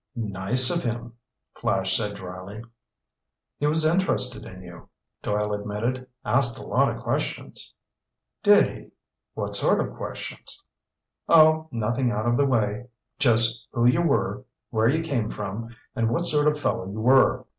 "Nice of him," Flash said dryly. "He was interested in you," Doyle admitted. "Asked a lot of questions." "Did he? What sort of questions?" "Oh, nothing out of the way. Just who you were, where you came from, and what sort of fellow you were.